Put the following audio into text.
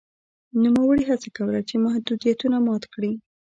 نوموړي هڅه کوله چې محدودیتونه مات کړي.